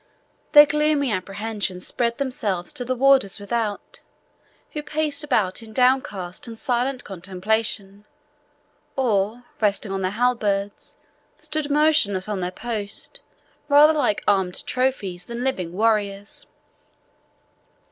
Their gloomy apprehensions spread themselves to the warders without, who paced about in downcast and silent contemplation, or, resting on their halberds, stood motionless on their post, rather like armed trophies than living warriors.